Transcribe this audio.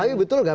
tapi betul nggak